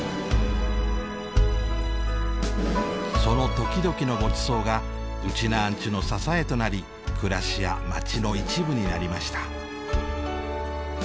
その時々のごちそうがうちなーんちゅの支えとなり暮らしや街の一部になりました。